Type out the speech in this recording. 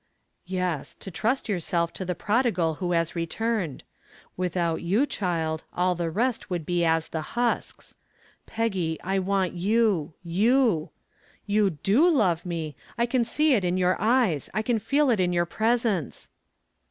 "Yes to trust yourself to the prodigal who has returned. Without you, child, all the rest would be as the husks. Peggy, I want you you! You DO love me I can see it in your eyes, I can feel it in your presence."